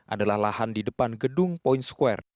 adalah lahan di depan gedung point square